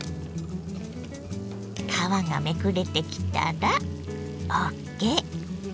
皮がめくれてきたらＯＫ！